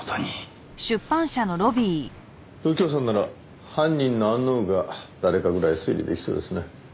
右京さんなら犯人のアンノウンが誰かぐらい推理できそうですね。